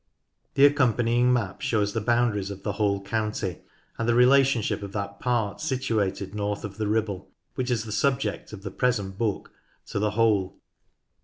The accompanying map shows the boundaries of the whole county, and the relationship of that part situated north of the Ribble, which is the subject of the present book, to the whole.